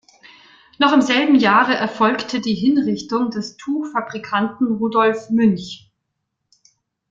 Noch im selben Jahre erfolgte die Hinrichtung des Tuchfabrikanten Rudolf Münch.